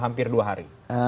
hampir dua hari